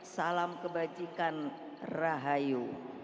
salam kebajikan rahayu